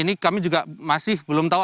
ini kami juga masih belum tahu